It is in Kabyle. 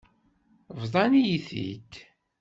Bḍan-iyi-t-id.